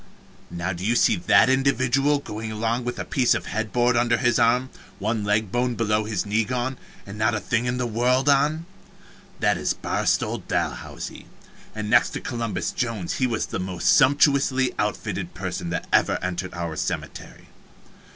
Now do you see that individual going along with a piece of a head board under his arm, one leg bone below his knee gone, and not a thing in the world on? That is Barstow Dalhousie, and next to Columbus Jones he was the most sumptuously outfitted person that ever entered our cemetery.